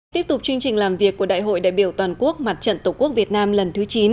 tiếp tục chương trình làm việc của đại hội đại biểu toàn quốc mặt trận tổ quốc việt nam lần thứ chín